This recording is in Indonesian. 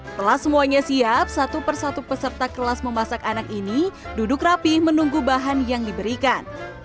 setelah semuanya siap satu persatu peserta kelas memasak anak ini duduk rapih menunggu bahan yang diberikan